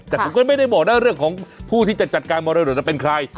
แต่ผมก็ไม่ได้บอกนะเรื่องของผู้ที่จะจัดการมรดกเป็นใคร